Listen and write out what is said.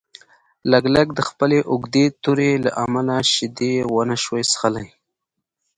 لګلګ د خپلې اوږدې تورې له امله شیدې ونشوای څښلی.